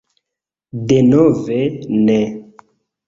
Denove ne!